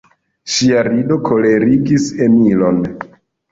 Ŝia rido kolerigis Emilon.